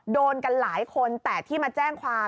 โดนกันหลายคนแต่ที่มาแจ้งความ